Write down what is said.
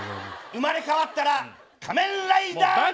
生まれ変わったら仮面ライダーになりたい！